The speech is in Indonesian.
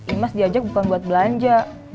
imas diajak bukan buat belanja